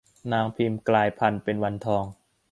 นางพิมพ์กลายกายพลันเป็นวันทอง